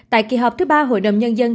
tại kỳ họp thứ ba hội đồng nhân dân